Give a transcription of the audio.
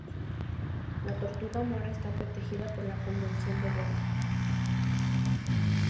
La tortuga mora está protegida por la Convención de Berna.